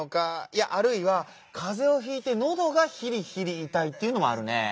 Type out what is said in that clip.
いやあるいはかぜをひいて「のどがひりひりいたい」っていうのもあるねぇ。